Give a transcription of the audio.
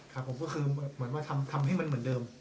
ครับผมก็คือเหมือนว่าทำให้มันเหมือนเดิม